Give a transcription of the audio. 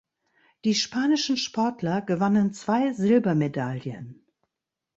Die spanischen Sportler gewannen zwei Silbermedaillen.